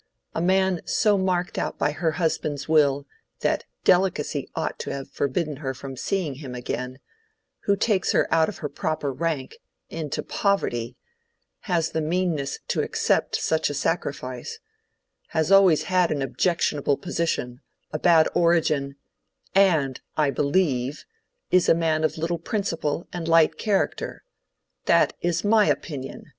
"A man so marked out by her husband's will, that delicacy ought to have forbidden her from seeing him again—who takes her out of her proper rank—into poverty—has the meanness to accept such a sacrifice—has always had an objectionable position—a bad origin—and, I believe, is a man of little principle and light character. That is my opinion."